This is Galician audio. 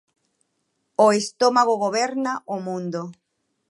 O estómago goberna o mundo.